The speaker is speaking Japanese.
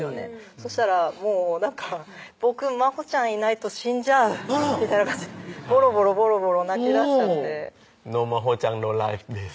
そしたらもうなんか「僕真帆ちゃんいないと死んじゃう」みたいな感じでぼろぼろぼろぼろ泣きだしちゃってノー真帆ちゃんノーライフです